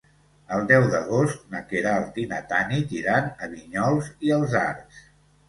El deu d'agost na Queralt i na Tanit iran a Vinyols i els Arcs.